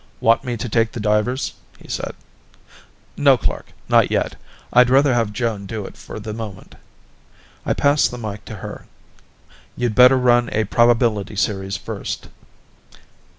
"Want me to take the divers?" he said. "No, Clark, not yet. I'd rather have Joan do it for the moment." I passed the mike to her. "You'd better run a probability series first."